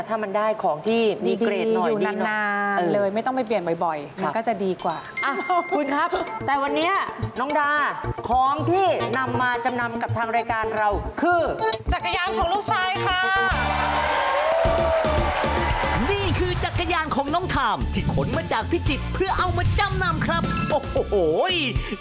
แต่เปลี่ยนไปแล้วเนี่ยถ้ามันได้ของที่มีเกรดหน่อย